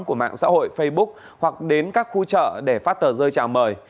của mạng xã hội facebook hoặc đến các khu chợ để phát tờ rơi chào mời